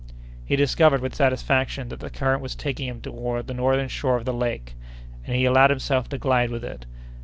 He discovered, with satisfaction, that the current was taking him toward the northern shore of the lake, and he allowed himself to glide with it.